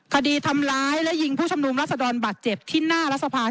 คดีทำร้ายและยิงผู้ชำนวงรัฐสดรบัตรเจ็บที่หน้ารัฐภาค